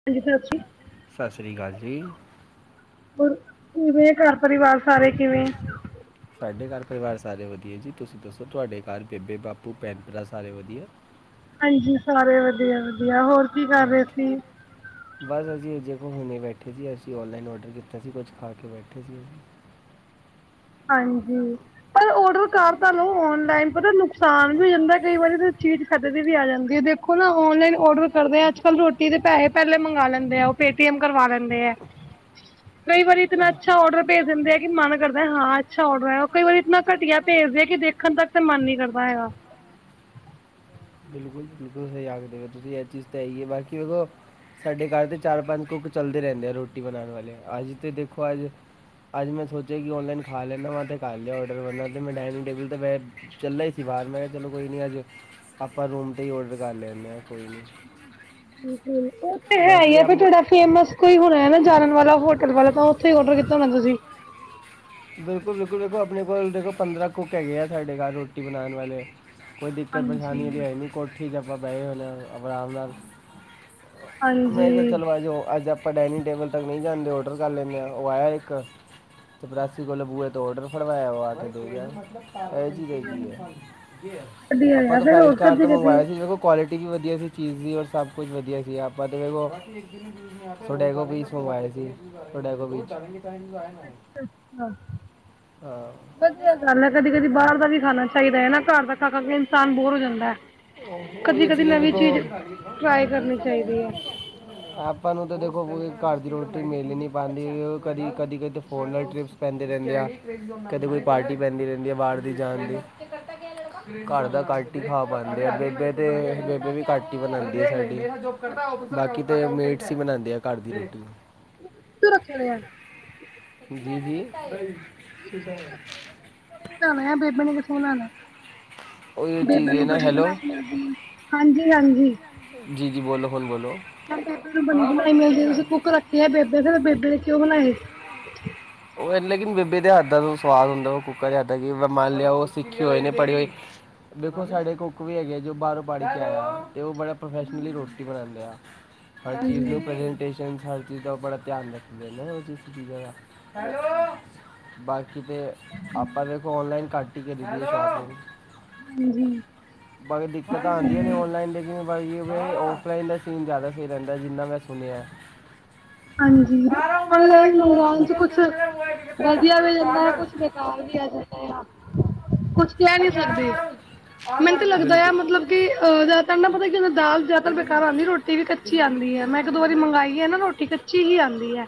[unintelligible] ਪੂਰ, ਪੂਰੇ ਘਰ ਪਰਿਵਾਰ ਸਾਰੇ ਕਿਵੇਂ? [inaudible] ਸਾਡੇ ਕਾਰ ਪਰਿਵਾਰ ਸਾਰੇ ਵਧੀਆਂ ਜੀ ਤੁਸੀਂ ਦੱਸੋ ਤੁਆਡੇ ਕਾਰ ਬੇਬੇ-ਬਾਪੂ-ਭੈਣ-ਭਰਾ ਸਾਰੇ ਵਧੀਆਂ। ਹਾਂਜੀ ਸਾਰੇ ਵਧੀਆ ਵਧੀਆ ਹੋਰ ਹਟ ਬਸ ਵਧੀਆ ਜੀ ਮੰਮੀ ਬੈਠੇ ਸੀ ਅਸੀਂ ਔਨਲਾਈਨ ਔਡਰ ਕੀਤਾ ਸੀ ਕੁਛ ਖਾ ਕੇ ਬੈਠੇ ਸੀ ਹਾਂਜੀ। ਪਰ ਔਡਰ ਕਰ ਤਾਂ ਲਓ ਔਨਲਾਈਨ ਪਤਾ ਨੁਕਸਾਨ ਵੀ ਹੁੰਦਾ ਕਈ ਵਾਰੀ ਚੀਜ਼ ਖਦੇ ਦੀ ਵੀ ਆ ਜਾਂਦੀ ਹੈ ਦੇਖੋ ਨਾ ਔਨਲਾਈਨ ਔਡਰ ਕਰਦੇ ਹਾਂ ਅੱਜ ਕੱਲ ਰੋਟੀ ਦੇ ਪੈਸੇ ਪਹਿਲੇ ਮੰਗਵਾ ਲੈਂਦੇ ਆ ਉਹ ਪੇਟੀਐਮ ਕਰਵਾ ਲੈਂਦੇ ਹੈ ਕਈ ਵਾਰੀ ਇਤਨਾ ਅੱਛਾ ਔਡਰ ਭੇਜ ਦਿੰਦੇ ਆ ਕਿ ਮਨ ਕਰਦਾ ਹਾਂ ਅੱਛਾ ਔਡਰ ਉਹ ਕਈ ਵਾਰੀ ਇਤਨਾ ਘਟੀਆਂ ਭੇਜਦੇ ਕਿ ਦੇਖਣ ਤੱਕ ਦਾ ਮਨ ਨੀ ਕਰਦਾ ਹੈਗਾ‌। ਬਿਲਕੁਲ ਸਹੀ ਆਖਦੇ ਤੁਸੀਂ ਇਹ ਚੀਜ਼ ਤਾਂ ਹੈ ਹੀ ਹੈ ਬਾਕੀ ਵੇਖੋ ਸਾਡੇ ਘਰ ਤਾਂ ਚਾਰ ਪੰਜ ਕੁੱਕ ਚੱਲਦੇ ਰਹਿੰਦੇ ਆ ਰੋਟੀ ਬਣਾਣ ਵਾਲੇ ਅੱਜ ਤੇ ਦੇਖੋ ਅੱਜ ਅੱਜ ਮੈਂ ਸੋਚਿਆਂ ਕਿ ਔਨਲਾਈਨ ਖਾ ਲੈਣਾ ਵਾ ਤੇ ਕਰ ਲਿਆ ਔਡਰ ਕਰਨਾ ਅਤੇ ਮੈਂ ਡਾਇਨਿੰਗ ਟੇਬਲ 'ਤੇ ਬੈਠ ਚੱਲੇ ਈ ਸੀ ਬਾਹਰ ਮੈਂ ਕਿਹਾ ਚਲੋ ਕੋਈ ਨੀ ਅੱਜ ਆਪਾਂ ਰੂਮ ਤੇ ਹੀ ਔਡਰ ਕਰ ਲੈਂਣੇ ਆ ਕੋਈ ਨੀ ਬਿਲਕੁਲ ਉਹ ਤੇ ਹੈ ਹੀ ਆ ਫਿਰ ਥੋੜਾ ਫੇ਼ਮਸ ਕੋਈ ਹੋਣਾ ਨਾ ਜਾਣ ਵਾਲਾ ਹੋਟਲ ਵਾਲਾ ਤਾਂ ਉੱਥੇ ਹੀ ਔਡਰ ਕੀਤਾ ਹੋਣਾ ਤੁਸੀਂ ਬਿਲਕੁਲ ਬਿਲਕੁਲ ਦੇਖੋਂ ਆਪਣੇ ਕੋਲ ਦੇਖੋ ਪੰਦਰਾਂ ਕੁੱਕ ਹੈਗੇ ਆ ਸਾਡੇ ਘਰ ਰੋਟੀ ਬਣਾਉਣ ਵਾਲੇ ਕੋਈ ਦਿੱਕਤ ਪਰੇਸ਼ਾਨੀ ਵਾਲੀ ਆਈ ਨਹੀਂ ਕੋਠੀ ਚ ਆਪਾਂ ਬਹਿ ਜਾਣੇ ਆਰਾਮ ਨਾਲ ਮੈਂ ਕਿਹਾ ਚਲੋ ਆਜੋ ਅੱਜ ਆਪ ਆਪਾਂ ਡਾਇਨਿੰਗ ਟੇਬਲ ਤੱਕ ਨਹੀਂ ਜਾਂਦੇ ਔਡਰ ਕਰ ਲੈਂਣੇ ਹਾਂ ਉਹ ਆਇਆ ਇੱਕ ਤੇ ਪ੍ਰੈੱਸ ਕਿਸ ਕੋਲ ਬੂਹੇ ਤੋਂ ਔਡਰ ਫੜਵਾਇਆ ਵਾ [unintelligible] [unintelligible] ਆਪਾਂ ਤਾਂ ਫਾਈਵ ਸਟਾਰ ਤੋਂ ਮੰਗਵਾਇਆ ਸੀ ਦੇਖੋ ਕੁਆਲਿਟੀ ਵੀ ਵਧੀਆ ਚੀਜ਼ ਦੀ ਔਰ ਸਭ ਕੁਝ ਵਧੀਆ ਸੀ ਆਪਾਂ ਦੇਖ ਲਓ ਆਪਾਂ ਚੀਜ਼ [unintelligible] ਤੁਹਾਡੇ ਕੋਲ ਪੀਸ ਮੰਗਵਾਏ ਸੀ [unintelligible] ਆ ਵਧੀਆ ਗੱਲ ਐ ਕਦੀ-ਕਦੀ ਬਾਹਰ ਦਾ ਵੀ ਖਾਣਾ ਚਾਹੀਦਾ ਐ ਨਾ ਘਰ ਦਾ, ਖਾ ਖਾ ਕੇ ਇਨਸਾਨ ਬੋਰ ਹੋ ਜਾਂਦਾ ਐ। ਉਹ ਉਹ ਏ ਚੀਜ਼ ਦੇਖੋ। [unintelligible] ਆਪਾਂ ਨੂੰ ਤਾਂ ਦੇਖੋ ਘਰ ਦੀ ਰੋਟੀ ਮਿਲ ਹੀ ਨਹੀਂ ਪਾਂਦੀ ਉਹ ਕਦੀ-ਕਦੀ, ਕਦੇ ਫੋਨ ਨਾਲ ਟਰਿਪਸ ਪੈਂਦੇ ਰਹਿੰਦੇ ਆ। ਕਦੇ ਕੋਈ ਪਾਰਟੀ ਪੈਂਦੀ ਰਹਿੰਦੀ ਐ ਬਾਹਰ ਦੀ ਜਾਣ ਦੀ। ਘਰ ਦਾ ਘੱਟ ਖਾ ਪਾਉਦੇ ਆ ਬੇਬੇ ਤੇ ਬੇਬੇ ਵੀ ਕਾਟੀ ਬਣਾਉਂਦੀ ਆ ਸਾਡੀ। ਬਾਕੀ ਤੇ ਮੇਟਸ ਹੀ ਬਨਾਉਂਦੇ ਆ ਘਰ ਦੀ ਰੋਟੀ। ਰੱਖਿਆ ਲਿਆ ਬੀਜੀ। [unintelligible] ਬੇਬੇ ਨੇ ਕਿੱਥੋਂ ਬਣਾਉਣਾ ਬੇਬੇ ਨੂੰ ਬਣੀ ਬਣਾਈ ਮਿੱਲ ਕੀ ਹਾਂਜੀ-ਹਾਂਜੀ ਜੀ-ਜੀ ਬੋਲੋ-ਬੋਲੋ, ਬੋਲੋ ਬੇਬੇ ਨੂੰ ਬਣੀ ਬਣਾਈ ਮਿਲ ਜਾਂਦੀ ਤੁਸੀਂ ਕੁੱਕ ਰੱਖੀ ਹੈ ਬੇਬੇ ਫਿਰ ਬੇਬੇ ਨੇ ਕਿਉਂ ਬਣਾਏ। ਉਹ ਲੇਕਿਨ ਬੇਬੇ ਦੇ ਹੱਥ ਤੋਂ ਸਵਾਦ ਹੁੰਦਾ ਉਹ ਕੁੱਕ ਦੀ ਹੱਥਾਂ ਕਿ ਮੈਂ ਮੰਨ ਲਿਆਓ ਉਹ ਸਿੱਖੇ ਹੋਏ ਇਨੇ ਪੜੇ ਹੋਏ। ਦੇਖੋ ਸਾਡੇ ਕੋਲ ਕੁੱਕ ਵੀ ਹੈਗੇ ਆ ਜੋ ਬਾਹਰੋਂ ਪੜ ਕੇ ਆਇਆ ਤੇ ਉਹ ਬੜਾ ਪ੍ਰਸ਼ਫੈਲੀ ਰੋਟੀ ਬਣਾਉਂਦੇ ਆ ਹਰ ਚੀਜ਼ ਨੂੰ ਪਰੈਜਨ ਟੇਸਨ। ਹਰ ਚੀਜ਼ ਦਾ ਉਹ ਬੜਾ ਧਿਆਨ ਰੱਖ ਦੇ ਨੇ ਉਹਦੀ ਚੀਜ਼ਾਂ ਦਾ ਹੈਲੋ, ਬਾਕੀ ਤੇ ਆਪਾਂ ਦੇਖੋ ਔਨਲਾਈਨ ਕੱਟ ਹੀ ਕਰੀ ਦੀ ਏ। ਹਾਂਜੀ। ਬਾਕੀ ਦਿੱਕਤਾਂ ਆਉਂਦੀਆਂ ਨੇ ਔਨਲਾਈਨ ਦੇ ਪਾਈਏ ਵੇ ਔਫਲਾਈਨ ਦਾ ਸੀਨ ਜ਼ਿਆਦਾ ਸਹੀ ਰਹਿੰਦਾ ਜਿੰਨਾ ਮੈਂ ਸੁਣਿਆ। ਹਾਂਜੀ ਜਦੋਂ ਔਨਲਾਈਨ ਮੰਗਾਉਣ ਚ ਕੁਛ ਵਧੀਆ ਵੀ ਦਿੰਦਾ ਐ ਕੁਛ, [unintelligible] ਕੁਛ [unintelligible] ਮੈਨੂੰ ਤਾਂ ਲੱਗਦਾ ਆ ਮਤਲਬ ਕੀ ਅਹ ਜ਼ਿਆਦਾਤਰ ਪਤਾ ਕੀ ਹੁੰਦਾ ਦਾਲ ਜਿਆਦਾ ਬੇਕਾਰ ਆਉਂਦੀ ਰੋਟ ਰੋਟੀ ਵੀ ਕੱਚੀ ਆਉਂਦੀ ਹੈ। ਮੈਂ ਇੱਕ ਦੋ ਵਾਰੀ ਮੰਗਵਾਈ ਐ ਨਾ ਰੋਟੀ ਕੱਚੀ ਹੀ ਆਉਂਦੀ ਐ।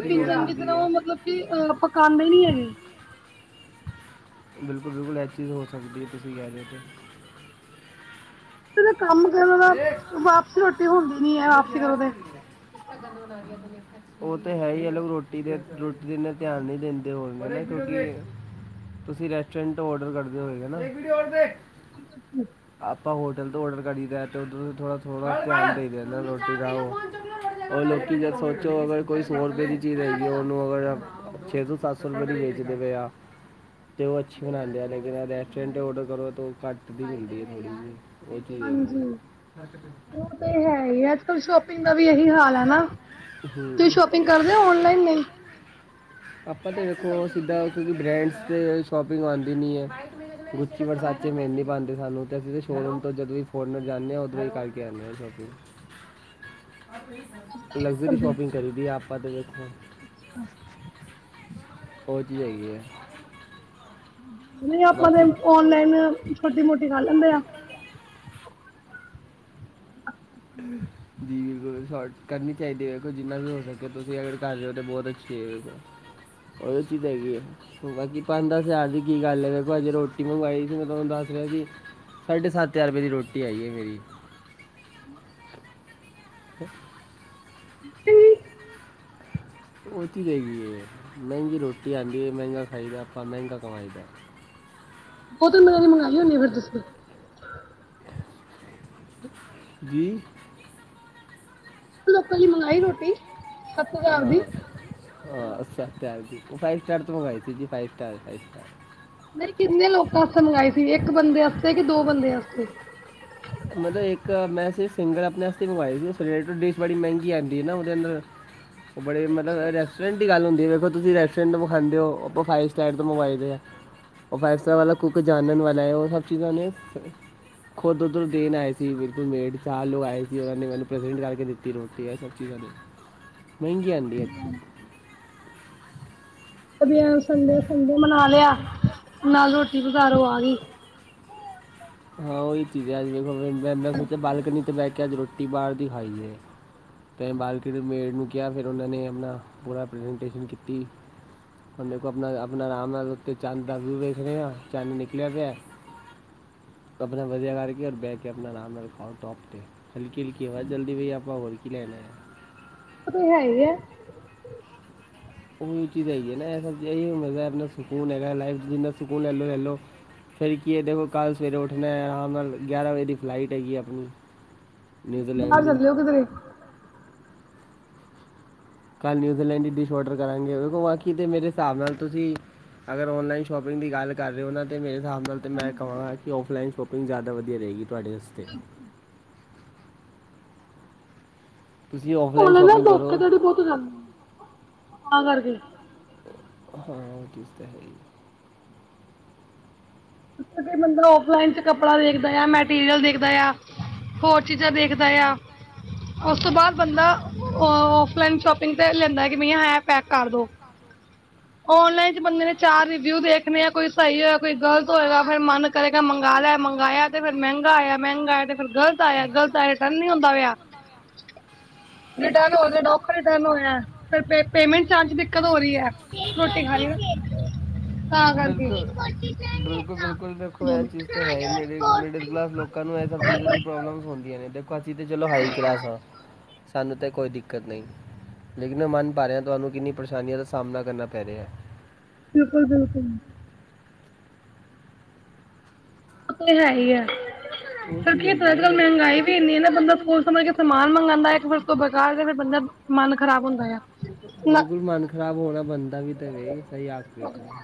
ਰੋਟੀ ਨੂੰ ਚੰਗੀ ਤਰ੍ਹਾਂ ਉਹ ਮਤਲਬ ਕਿ ਪਕਾਉਂਦੇ ਨੀ ਹੈਗੇ। ਬਿਲਕੁਲ-ਬਿਲਕੁਲ ਇਹ ਚੀਜ਼ ਹੋ ਸਕਦੀ ਐ ਤੁਸੀਂ ਕਹਿ ਰਹੇ ਹੋ ਤੇ। ਤੇ ਕੰਮ ਕਰੋ ਦਾ ਵਾਪਸੀ ਰੋਟੀ ਹੁੰਦੀ ਨੀ ਐ ਵਾਪਸੀ ਕਰੋ ਤੇ। [unintelligible] ਉਹ ਤੇ ਹੈ ਈ ਇਹ ਲੋਕ ਰੋਟੀ ਦੇ ਰੋਟੀ ਦੇ ਇਨ੍ਹਾਂ ਧਿਆਨ ਨਹੀਂ ਦਿੰਦੇ ਹੋਣ ਗੇ ਕਿੳਕੇ ਤੁਸੀਂ ਰੈਸਟੋਰੈਂਟ ਓਡਰ ਕਰਦੇ ਹੋਏ ਗੇ ਨਾ। ਆਪਾਂ ਹੋਟਲ ਤੋਂ ਔਡਰ ਕਰੀ ਦੈ। ਅਤੇ ਉੱਧਰ ਥੋੜ੍ਹਾ-ਥੋੜ੍ਹਾ ਧਿਆਨ ਦੇ ਦਿੰਦਾ ਰੋਟੀ ਦਾ ਉਹ ਉਹ ਲੋਕੀ ਜਦ ਸੋਚੋ ਅਗਰ ਕੋਈ ਸੌ ਰੁਪਏ ਦੀ ਚੀਜ਼ ਹੈਗੀ ਏ ਉਹਨੂੰ ਅਗਰ ਛੇ ਸੋ, ਸੱਤ ਸੌ ਰੁਪਏ ਦੀ ਵੇਚਦੇ ਪਏ ਆ। ਅਤੇ ਉਹ ਅੱਛੀ ਬਣਾਉਂਦੇ ਆ ਲੇਕਿਨ ਰੈਸਟੋਰੈਂਟ ਤੇ ਔਡਰ ਕਰੋ ਤਾਂ ਉਹ ਘੱਟ ਦੀ ਹੁੰਦੀ ਐ ਥੋੜ੍ਹੀ ਜਿਹੀ। ਏ ਚੀਜ ਹੇਗੀ ਏ। [unintelligible] ਓ ਤੇ ਹੈ ਈਐ ਅੱਜ-ਕੱਲ੍ਹ ਸ਼ੋਪਿੰਗ ਦਾ ਵੀ ਇਹੀ ਹਾਲ ਐ ਨਾ ਤੁਸੀਂ ਸ਼ੋਪਿੰਗ ਕਰ ਦੇ ਔਨਲਾਈਨ ਨਹੀਂ। ਆਪਾਂ ਤਾਂ ਵੇਖੋ ਸਿੱਧਾ ਕਿਉਂਕਿ ਬ੍ਰੈਂਡਸ ਸ਼ੋਪਿੰਗ ਆਉਂਦੀ ਨੀ ਐ। [unintelligible] ਪਾਉਂਦੇ ਸਾਨੂੰ ਤੇ ਅਸੀਂ, ਸ਼ੋਰੂਮ ਤੋਂ ਜਦੋਂ ਵੀ ਫੋਰਨਰ ਜਾਂਦੇ ਆਂ ਉਦੋਂ ਕਰਕੇ ਆਣੇ ਆ ਸ਼ੋਪਿੰਗ। ਲਗਜ਼ਰੀ ਸ਼ੋਪਿੰਗ ਕਰੀ ਦੀ ਐ ਆਪਾਂ ਤੇ ਵੇਖੋ। [inaudible] [unintelligible] ਹੈਗੀ ਐਂ। ਨਹੀਂ ਆਪਾਂ ਤੇ ਔਨਲਾਈਨ ਛੋਟੀ-ਮੋਟੀ ਕਾਰ ਲੈਂਦੇ ਆ। [unintelligible] ਅ [unintelligible] ਜੀ ਬਿਲਕੁਲ ਸ਼ੋਰਟ ਕਰਨੀ ਚਾਹੀਦੀ ਵੇਖੋ ਜਿੰਨਾ ਵੀ ਹੋ ਸਕੇ ਤੁਸੀਂ ਅਗਰ ਤੁਸੀ ਕਰ ਲੋ ਤਾਂ [unintelligible] ਬਹੁਤ ਅੱਛੀ ਹੈ ਵੇਖੋ ਐ ਚੀਜ ਹੈਗੀ ਐ। ਬਾਕੀ ਪੰਜ ਦਸ ਯਾਰ ਦੀ ਕੀ ਗੱਲ ਹੈ ਵੇਖੋ ਅਜ ਰੋਟੀ ਮੰਗਵਾਈ ਸੀ ਮੈਂ ਤੁਹਾਨੂੰ ਦੱਸ ਰਿਹਾ ਕਿ ਸਾਢੇ ਸੱਤ ਹਜ਼ਾਰ ਰੁਪਏ ਦੀ ਰੋਟੀ ਆਈ ਏ ਮੇਰੀ। ਫ [unintelligible] ਪੀ [unintelligible] ਉਹ ਚੀਜ਼ ਹੈਗੀ ਹੈ। ਮਹਿੰਗੀ ਰੋਟੀ ਆਉਂਦੀ ਆ ਮਹਿੰਗਾ ਖਾਈ ਦਾ ਆਪਾਂ ਮਹਿੰਗਾ ਕਮਾਈ ਦਾ। ਬਹੁਤ ਮਗ [unintelligible] ਮੰਗਵਾ ਲੀ ਹੋਣੀ ਫਿਰ ਤੁਸੀਂ। ਜੀ? ਲੋਕਾਂ ਲਈ ਮੰਗਾਈ ਰੋਟੀ। ਅ [unintelligible] ਹਹ ਅੱਛਾ, [unintelligible] ਫਾਈਵ ਸਟਾਰ ਤੋ ਮੰਗਾਈ ਸੀ ਜੀ ਫਾਈਵ ਸਟਾਰ, ਫਾਈ ਸਟਾਰ। ਨਈ ਕਿੰਨੇ ਲੋਕਾਂ ਵਾਸਤੇ ਮੰਗਵਾਏ ਸੀ ਇੱਕ ਬੰਦੇ ਵਸਤੇ ਕਿ ਦੋ ਬੰਦੇ ਵਸਤੇ। ਮਤਲਬ ਇੱਕ ਮੈਂ ਸਿਰਫ ਸਿੰਗਰ ਆਪਣੇ ਵਾਸਤੇ ਮੰਵਾਏ ਸੀ। ਉਸ ਰਿਲੇਟਡ [unintelligible] ਡਿਸ਼ ਬੜੀ ਮਹਿੰਗੀ ਆਉਂਦੀ ਹੈ ਨਾ ਉਹਦੇ ਅੰਦਰ [unintelligible] ਉਹ ਬੜੇ ਮਤਲਬ ਰੈਸਟੋਰੈਂਟ ਦੀ ਗੱਲ ਹੁੰਦੀ ਹੈ ਵੇਖੋ ਤੁਸੀਂ ਰੈਸਟੋਰੈਂਟ ਤੋ ਖਾਂਦੇ ਹੋ ਆਪਾਂ ਫਾਈਵ ਸਟਾਰ ਤੋਂ ਮੰਗਵਾਈ ਦੇ ਆ ਉਹ ਫਾਈਵ ਸਟਾਰ ਵਾਲਾ ਕੁੱਕ ਜਾਣਨ ਵਾਲਾ ਹੈ ਚੀਜ਼ਾਂ ਨੇ [unintelligible] ਖੁਦ ਉੱਧਰੋਂ ਦੇਨ ਆਏ ਸੀ ਬਿਲਕੁਲ ਮੇਢ ਚਾਲ ਲੋਕ ਆਏ ਸੀ ਉਹਨਾਂ ਨੇ ਮੈਨੂੰ ਪ੍ਰਜੈਂਟ ਕਰਕੇ ਦਿੱਤੀ ਰੋਟੀ ਇਹ ਸਭ ਚੀਜ਼ਾਂ ਮਹਿੰਗੀ ਆਂਦੇ। ਵਧੀਆਂ ਸੰਡੇ ਸੁੰਡੇ ਮਨਾ ਲਿਆ, ਨਾਲ ਰੋਟੀ ਬਜ਼ਾਰੋਂ ਆ ਗਈ। ਹਾਂ ਉਹੀ ਚੀਜ਼ ਐ, ਅੱਜ ਵਖ ਮੈਂ ਸੋਚਿਆ ਬਾਲਕਨੀ ਤੇ ਬਹਿ ਕੇ ਅੱਜ ਰੋਟੀ ਬਾਹਰ ਦੀ ਖਾਈਏ। ਤੇ ਮਾਰਕਿਟ ਮੇਡ ਨੂੰ ਕਿਹਾ, ਫੇਰ ਉਹਨਾਂ ਨੇ ਆਪਣਾ ਪੂਰਾ ਪ੍ਰਜੈਂਟੇਸ਼ਨ ਕੀਤੀ। ਹੁਣ ਦੇਖੋ ਆਪਣਾ, ਆਪਣਾ ਆਰਾਮ ਨਾਲ ਉੱਤੇ ਚਾਂਦ ਦਾ ਵਿਊ ਵੇਖ ਰਿਹਾ, ਚੰਦ ਨਿਕਲਿਆ ਪਿਆ। ਤੇ ਆਪਣੇ ਮਜੇ ਕਰਕੇ, ਹੁਣ ਬੈਗ ਕੇ ਆਪਣਾ ਆਰਾਮ ਨਾਲ ਖਾਓ ਟੋਪ 'ਤੇ ਹਲਕੀ- ਹਲਕੀ ਹਵਾ ਚੱਲਦੀ ਪਈ, ਆਪਾਂ ਹੋਲ ਕੀ ਲੈਣਾ ਉਹ ਤਾਂ ਹੈ ਹੀ ਐ। ਉਹੀ ਚੀਜ਼ ਹੈਗੀ ਐ ਨਾ ਅਸਲ 'ਚ ਇਹੀਓ ਮਜਾ ਆਪਣਾ ਸਕੂਨ ਹੈਗਾ ਲਾਈਫ ਵਿੱਚ ਜਿੰਨਾ ਸਕੂਨ ਲੈ ਲਓ ਲੈ ਲਓ। ਫੇਰ ਕੀ ਐਹ, ਦੇਖੋ ਕੱਲ ਸਵੇਰੇ ਉੱਠਣਾ ਆਰਾਮ ਨਾਲ ਗਿਆਰਾਂ ਵਜੇ ਦੀ ਫਲਾਈਟ ਹੈਗੀ ਆਪਣੀ। ਬਾਹਰ ਚੱਲੇ ਓ ਕਿੱਧਰੇ। ਕੱਲ ਨਿਊਜ਼ੀਲੈਂਡ ਦੀ ਡਿਸ਼ ਔਡਰ ਕਰਾਂਗੇ, ਦੇਖੋ ਬਾਕੀ ਤੇ ਮੇਰੇ ਹਿਸਾਬ ਨਾਲ ਤੁਸੀਂ ਅਗਰ ਔਨਲਾਈਨ ਸ਼ੋਪਿੰਗ ਦੀ ਗੱਲ ਕਰ ਰਹੇ ਹੋ ਨਾ, ਤੇ ਮੇਰੇ ਹਿਸਾਬ ਨਾਲ ਤਾਂ ਮੈਂ ਕਵਾਂਗਾ, ਕਿ ਔਫਲਾਈਨ ਸ਼ੋਪਿੰਗ ਜ਼ਿਆਦਾ ਵਧੀਆ ਰਹੇਗੀ ਤੁਹਾਡੇ ਵਾਸਤੇ। ਤੁਸੀਂ ਔਫਲਾਈਨ ਨਾਲੇ ਨਾ ਧੋਖਾ ਧੜੀ ਬਹੁਤ ਚੱਲਦੀ, ਤਾਂ ਕਰਕੇ। ਹਾਂ ਉਹ ਚੀਜ਼ ਤਾਂ ਹੈ ਹੀ। ਅਗਰ ਬੰਦਾ ਔਫਲਾਈਨ 'ਚ ਕੱਪੜਾ ਦੇਖਦਾ ਆ, ਮੈਟੀਰੀਅਲ ਦੇਖਦਾ ਆ ਹੋਰ ਚੀਜ਼ਾਂ ਦੇਖਦਾ ਆ, ਉਸ ਤੋਂ ਬਾਅਦ ਬੰਦਾ ਔਫਲਾਈਨ ਸ਼ੋਪਿੰਗ ਤੇ ਲੈਂਦਾ, ਕਿ ਬਈਆ ਐ ਪੈਕ ਕਰ ਦੋ। ਔਨਲਾਈਨ 'ਚ ਬੰਦੇ ਨੇ ਚਾਰ ਰਿਵਿਊ ਦੇਖਣੇ ਆ ਕੋਈ ਸਹੀ ਆ, ਕੋਈ ਗਲਤ ਹੋਏਗਾ ਫਿਰ ਮਨ ਕਰੇਗਾ ਮੰਗਵਾ ਲਿਆ, ਮੰਗਵਾਇਆ ਤੇ ਫੇਰ ਮਹਿੰਗਾ ਆਇਆ, ਮਹਿੰਗਾ ਆਇਆ ਤੇ ਫੇਰ ਗਲਤ ਆਇਆ, ਗਲਤ ਆਇਆ ਡਨ ਨੀ ਹੁੰਦਾ ਪਿਆ ਜੇ ਡਨ ਹੋਜੇ, ਨੌਕਰੀ ਡਨ ਹੋਇਆ ਫੇਰ ਪੇਮੈਂਟ ਚਾਰਜ ਦਿੱਕਤ ਹੋ ਰਹੀ ਐ, ਰੋਟੀ ਖਾਣੀ ਓ [inaudible] ਬਿਲਕੁਲ, ਬਿਲਕੁਲ- ਬਿਲਕੁਲ ਦੇਖੋ ਐਹ ਚੀਜ਼ ਤਾਂ ਹੈ ਹੀ ਮਿਲੇਗੀ ਮਿਡਲ ਕਲਾਸ ਲੋਕ ਲੋਕਾਂ ਨੂੰ ਐਹ ਸਭ ਚੀਜ਼ਾਂ ਦੀ ਪ੍ਰੋਬਲਮਸ ਹੁੰਦੀਆਂ ਨੇ, ਦੇਖੋ ਇਹ ਚੀਜ਼ਾ ਚਲੋ ਹਾਈ ਕਲਾਸ ਆ। ਸਾਨੂੰ ਤੇ ਕੋਈ ਦਿੱਕਤ ਨਹੀ, ਲੇਕਿਨ ਮੈਂ ਮੰਨ ਪਾ ਰਿਹਾ ਤੁਹਾਨੂੰ ਕਿੰਨੀ ਪਰੇਸ਼ਾਨੀਆਂ ਦਾ ਸਾਹਮਣਾ ਕਰਨਾ ਪੈ ਰਿਹਾ ਬਿਲਕੁਲ- ਬਿਲਕੁਲ ਓ ਤੇ ਹੈ ਹੀ ਐ, ਫਿਰ ਕੀ ਪ੍ਰੋਬਲਮ ਮਹਿੰਗਾਈ ਨਹੀਂ ਨਾ ਬੰਦਾ ਸਕੂਲ ਸਮਝ ਕੇ ਸਮਾਨ ਮੰਗਵਾਉਂਦਾ, ਫਿਰ ਉਸ ਨੂੰ ਬੇਕਾਰ ਦੇਦੇ, ਬੰਦਾ ਮਨ ਖਰਾਬ ਹੁੰਦਾ ਐ ਬਿਲਕੁਲ ਮਨ ਖਰਾਬ ਹੋਣਾ ਬਣਦਾ ਵੀ ਤੇ ਰੇ, ਸਹੀ ਆਖਦੇ ਤੁਸੀਂ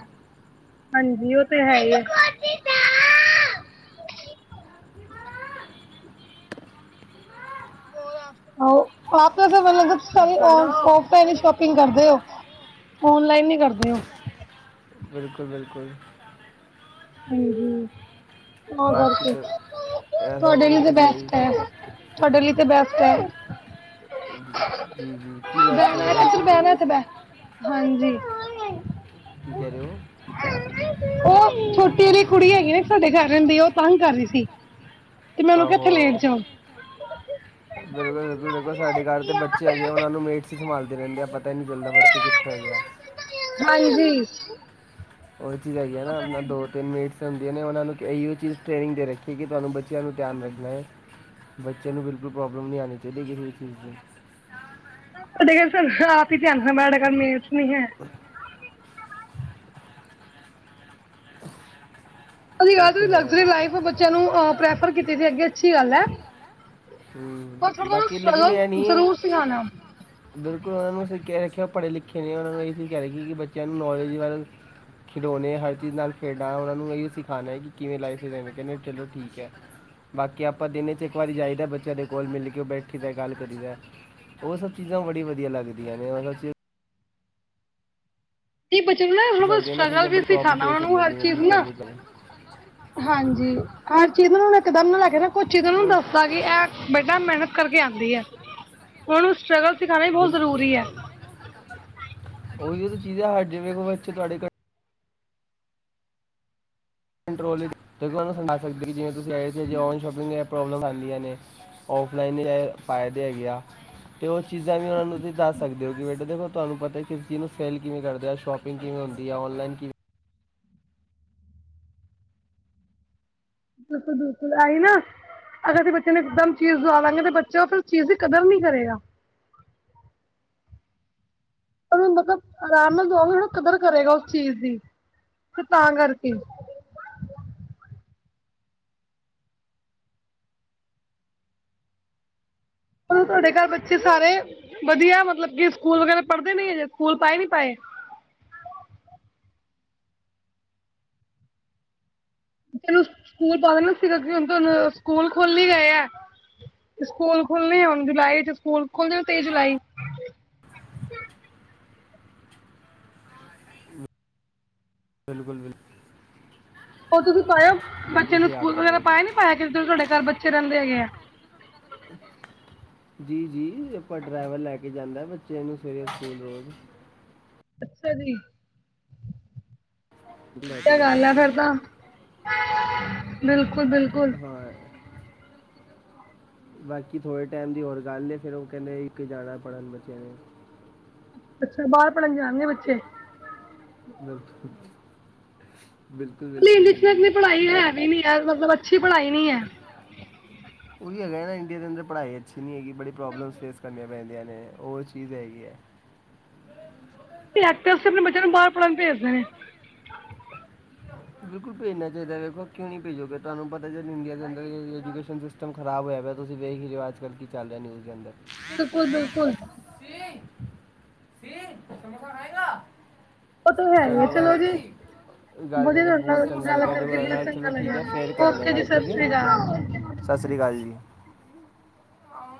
ਹਾਂਜੀ ਓ ਤੇ ਹੈ ਹੀ ਆ। [inaudible] ਹੋ, ਆਪੇ ਫੇਰ ਮਨੂੰ ਓਨ ਸ਼ੋਪਿੰਗ ਕਰਦੇ ਹੋ। ਔਨਲਾਈਨ ਹੀ ਕਰਦੇ ਓ ਬਿਲਕੁਲ- ਬਿਲਕੁਲ। ਹਾਂਜੀ, ਤਾਂ ਕਰਕੇ, ਤੁਹਾਡੇ ਲਈ ਤੇ ਬੈਸਟ ਐ। ਤੁਹਾਡੇ ਲਈ ਤੇ ਬੈਸਟ ਐ। ਹਾਂਜੀ, ਜੀ- ਜੀ ਕੀ ਬੈਸਟ ਹੈਗਾ ਵੈਸੇ। ਤੂੰ ਐਥੇ ਬਹਿ ਹਾਂਜੀ। ਕੀ ਕਹਿ ਰਹੇ ਓ। ਓ ਛੋਟੇ ਵਾਲੀ ਕੁੜੀ ਹੈਗੀ ਨਾ ਸਾਡੇ ਘਰ ਰਹਿੰਦੀ, ਉਹ ਤੰਗ ਕਰ ਰਹੀ ਸੀ। ਤੇ ਮੈਂ ੳਨੂ ਕਿਆ ਏਥੇ ਲੇਟ ਜਾਓ। ਬਿਲਕੁਲ, ਬਿਲਕੁਲ, ਬਿਲਕੁਲ ਸਾਡੇ ਘਰ ਤਾਂ ਬੱਚੇ ਹੈਗੇ ਆ ਉਨਾਂ ਨੂੰ ਮੀਟਸ ਸੰਭਾਲਦੇ ਰੈਂਦੇ ਆ ਪਤਾ ਈ ਨੀ ਚੱਲਦਾ ਬੱਚੇ ਕਿੱਥੇ ਹੈਗੇ ਆ। ਹਾਂਜੀ। ਉ ਚੀਜ਼ ਹੈਗੀ ਨਾ ਆਪ ਦੋ- ਤਿੰਨ ਮੇਡਸ ਹੁੰਦੀਆਂ ਨੇ ਉਨਾਂ ਨੂੰ ਏਇੳ ਚੀਜ਼ ਟ੍ਰੇਨਿੰਗ ਦੇ ਰੱਖੀਏ ਕਿ ਤੁਹਾਨੂੰ ਬ ਬੱਚਿਆਂ ਨੂੰ ਧਿਆਨ ਰਖਨਾ ਏ, ਬਿਲਕੁਲ ਪ੍ਰੋਬਲਮ ਨੀ ਆਨੀ ਚਾਈਦੀ ਕਿਸੇ ਚੀਜ਼ ਦੀ। ਤੁਡੇ ਆਪ ਈ ਧਿਆਨ ਰਚਨਾ ਸਾਡੇ ਘਰ ਮੇਡਸ ਨੀ ਹੈ। ਲਗਜਰੀ ਲਾਈਫ ਬੱਚਿਆਂ ਨੂੰ ਪ੍ਰੈਫਰ ਕੀਤੀ ਸੀ ਅੱਗੇ ਅੱਛੀ ਗੱਲ ਐ। ਹੂਂ ਬਾਕੀ ਲੇਕਿਨ ਐ ਨਈ ਏ। ਬਿਲਕੁਲ ਉਨਾਂ ਨੂੰ ਅਸੀਂ ਕੈ ਰੱਖਿਆ ਉ ਪੜ੍ਹੇ ਲਿਖੇ ਨੇ ਉਨਾਂ ਨੂੰ ਇ ਅਸੀਂ ਕੈ ਰੱਖੀਏ ਕਿ ਬੱਚਿਆਂ ਨੂੰ ਨੌਲੇਜ ਵੱਲ ਖਿਡੌਨੇ ਹਰ ਚੀਜ਼ ਨਾਲ ਖੇਡਣਾ ਉਨਾਂ ਨੂੰ ਐਹੀ ਸਿਖਾਨਾ ਏ ਕਿ ਕਿਵੇਂ ਲਾਈਫ ਹੈ ਕੈਦੇ ਚਲੋ ਠੀਕ ਏ। ਬਾਕੀ ਆਪਾਂ ਦਿਨ ਚ ਇੱਕ ਵਾਰੀ ਜਾਇਦਾ ਬੱ ਚੇਆ ਦੇ ਕੋਲ ਮਿਲ ਕੇ ਉ ਬੈਠੀ ਦਾ ਗੱਲ ਕਰੀ ਦਾ, ਉ ਸਭ ਚੀਜ਼ਾਂ ਬੜੀ ਵਧੀਆ ਲੱਗਦੀਆਂ ਨੇ ਮਤਲਬ ਕੀ ਬਚੇਆ ਨੂੰ ਬ ਸਟਟਰਗਲ ਵੀ ਸਿਖਾਨਾ ਉਨਾ ਨੂੰ ਹਰ ਚੀਜ਼ ਨਾ ਹਾਂਜੀ, ਹਰ ਚੀਜ਼ ਨੂੰ ਹੁਨ ਇੱਕ ਦਮ ਨੂੰ ਲੈ ਕੇ ਕੁੱਛ ਚੀਜ਼ ਨੂੰ ਦੱਸਤਾ ਕਿ ਐ ਬਟ ਨਾ ਮੈਨਤ ਕਰਕੇ ਆਂਦੀ ਏ, ਉਨਾਂ ਨੂੰ ਸਟਰਗਲ ਸਿਖਾਨਾ ਵੀ ਬਹੁਤ ਜ਼ਰੂਰੀ ਏ। ਉਹੀ ੳ ਤੇ ਚੀਜ਼ ਆ ਜਿਂਵੇ ਬੱਚੇ ਤੁਹਾਡੇ ਘਰ ਕੰਟਰੋਲ ਤੁਹਾਨੂੰ ਸੁਨਾ ਸਕਦੇ ੳ ਕਿ ਜਿਵੇਂ ਤੁਸੀਂ ਆਏ ਸੀ ਔਨਲਾਈਨ ਸ਼ੋਪਿੰਗ ਅ ਪ੍ਰੋਬਲਮਸ ਆਂਦੀਆਂ ਨੇ, ਔਫਲਾਈਨ ਦੇ ਐ ਫ਼ਾਇਦੇ ਹੈਗੇ ਆ। ਤੇ ਉ ਚੀਜ਼ਾਂ ਵੀ ਉਨਾਂ ਤੁਸੀਂ ਦੱਸ ਸਕਦੇ ੳ ਬੇਟਾ ਦੇਖੋ ਤੁਹਾਨੂੰ ਪਤਾ ਏ ਕਿਸ ਚੀਜ਼ ਨੂੰ ਸੇਲ ਕਿਵੇਂ ਕਰਦੇ ਆ ਸ਼ੋਪੀਂਗ ਕਿਵੇਂ ਹੁੰਦੀ ਏ ਔਨਲਾਈਨ ਕਿਵੇਂ ਬਿਲਕੁਲ- ਬਿਲਕੁਲ ਐਈ ਨਾ ਅਗਰ ਅਸੀਂ ਬੱਚੇ ਨੂੰ ਇੱਕਦਮ ਚੀਜ਼ ਦਵਾ ਦਾਂਗੇ ਤੇ ਬੱਚਾ ਉ ਫਿਰ ਚੀਜ਼ ਦੀ ਕਦਮ ਨੀ ਕਰੇਗਾ। ਉਨੂੰ ਮਤਲਬ ਆਰਾਮ ਨਾਲ ਦਵਾਂਗੇ ਕਦਰ ਕਰੇਗਾ ਉਸ ਚੀਜ਼ ਦੀ ਤੇ ਤਾਂ ਕਰਕੇ ਤੁਹਾਡੇ ਘਰ ਬੱਚੇ ਸਾਰੇ ਵਧੀਆ ਮਤਲਬ ਕਿ ਸਕੂਲ ਵਗੈਰਾ ਪੜ੍ਹਦੇ ਨੇ ਯਾਂ ਸਕੂਲ ਪਾਏ ਨੀ ਪਾਏ ਏਨੂੰ ਸਕੂਲ ਪਾਦੇਨਾ ਸੀਗਾ ਕਿ ਹੁਨ ਤੇ ਸਕੂਲ ਖੋਲੀ ਗਏ ਐ। ਸਕੂਲ ਖੁੱਲਨੇ ਐ ਹੁਨ ਜੁਲਾਈ ਚ ਖੁੱਲ ਜਾਨੇ ਤੇਈ ਜੁਲਾਈ। ਬਿਲਕੁਲ- ਬਿਲਕੁਲ। ਉ ਤੁਸੀਂ ਪਾਇਆ ਬੱਚੇ ਨੂੰ ਸਕੂਲ ਵਗੈਰਾ ਪਾਇਆ ਨੀ ਪਾਇਆ ਕਿ ਜੋ ਤੁਹਾਡੇ ਘਾਰ ਬੱਚੇ ਰੈਂਦੇ ਹੈਗੇ ਆ। ਜੀ-ਜੀ ਆਪਾਂ ਡਰਾਈਵਰ ਲੈ ਕੇ ਜਾਂਦਾ ਬੱਚਿਆਂ ਨੂੰ ਸਵੇਰੇ ਸਕੂਲ ਰੋਜ਼ ਅੱਛਾ ਜੀ। ਵਧੀਆ ਗੱਲ ਆ ਫੇਰ ਤਾਂ ਬਿਲਕੁਲ-ਬਿਲਕੁਲ। ਬਾਕੀ ਥੋੜ੍ਹੇ ਟੈਮ ਦੀ ਹੋਰ ਗੱਲ ਏ ਫੇਰ ਉ ਕੈਂਦੇ ਯੂ ਕੇ ਜਾਣਾ ਪੜ੍ਹਨ ਬੱਚਿਆਂ ਨੇ। ਅੱਛਾ, ਬਾਹਰ ਪੜ੍ਹਨ ਜਾਣਗੇ ਬੱਚੇ। ਬਿਲਕੁਲ। ਇੰਡਿਆ ਚ ਤੇ ਇੰਨੀ ਪੜ੍ਹਾਈ ਹੈ ਵੀ ਨੀ ਹੈ ਮਤਲਬ ਅੱਛੀ ਪੜ੍ਹਾਈ ਨੀ ਐ। ਉਹੀ ਹੈਗਾ ਨਾ ਇੰਡੀਆ ਦੇ ਅੰਦਰ ਪੜ੍ਹਾਈ ਅੱਛੀ ਨੀ ਹੈਗੀ ਬੜੀ ਪ੍ਰੋਬਲਮਸ ਫੇਸ ਕਰਨੀਆਂ ਪੈਂਦੀਆਂ ਨੇ ਉ ਚੀਜ਼ ਹੈਗੀ ਐ। ਤੇ ਅੱਜ-ਕਲ ਸਬ ਆਪਣੀਆਂ ਬੱਚਿਆ ਨੂੰ ਬਾਰ ਪੜ੍ਹਨ ਭੇਜ ਦੇ ਨੇ। ਬਿਲਕੁਲ ਭੇਜਨਾ ਚਾਈਦੈ ਵੇਖੋ ਕਿਉਂ ਨੀ ਭੇਜੋਗੇ ਤੁਹਾਨੂੰ ਪਤਾ ਜਦ ਇੰਡੀਆ ਅੰਦਰ ਐਜੂਕੇਸ਼ਨ ਸਿਸ ਟਮ ਖਰਾਬ ਹੋਇਆ ਪਿਆ ਤੁਸੀਂ ਵੇਖ ਈ ਰੇ ਓ ਅੱਜ ਕੱਲ ਕੀ ਚੱਲ ਰਿਆ ਨਿਊਜ਼ ਦੇ ਅੰਦਰ। ਬਿਲਕੁਲ -ਬਿਲਕੁਲ ਇਹ ਤੂੰ ਸਮੌਸਾ ਖਾਏਗਾ, ਸਮੌਸਾ ਖਾਓ ਗੇ ਵੀਰ ਜੀ ਗੱਲ ਕਰਕੇ ਬੋਤ ਚੰਗਾ ਲੱਗਾ ਤੁਆਡੇ ਨਾਲ ਚਲੋ ਠੀਕ ਏ ਫੇਰ ਕਰਨੇ ਆ ਗੱਲ ਠੀਕ ਐ। ਸਾਸ ਸ਼੍ਰੀ ਕਾਲ ਜੀ।